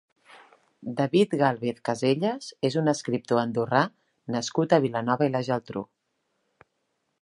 David Gálvez Casellas és un escriptor andorrà nascut a Vilanova i la Geltrú.